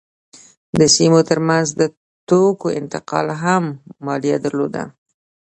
د سیمو ترمنځ د توکو انتقال هم مالیه درلوده.